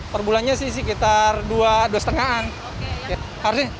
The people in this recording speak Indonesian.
perbulannya sih sekitar dua dua lima an